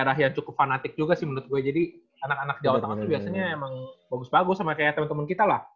sejarah yang cukup fanatik juga sih menurut gue jadi anak anak jawa tengah tuh biasanya emang bagus bagus sama kayak teman teman kita lah